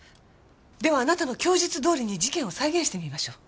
ではあなたの供述どおりに事件を再現してみましょう。